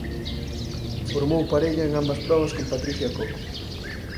Formou parella en ambas probas con Patricia Coco.